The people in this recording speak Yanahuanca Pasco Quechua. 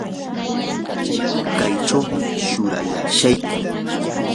kaychawmi shuwarashayki.